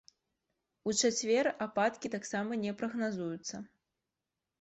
У чацвер ападкі таксама не прагназуюцца.